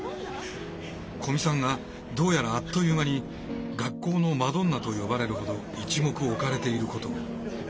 古見さんがどうやらあっという間に学校のマドンナと呼ばれるほど一目置かれていることを。